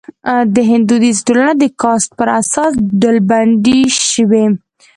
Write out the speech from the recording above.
د هند دودیزه ټولنه د کاسټ پر اساس ډلبندي شوې.